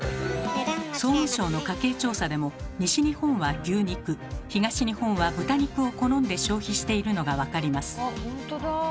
総務省の家計調査でも西日本は牛肉東日本は豚肉を好んで消費しているのが分かります。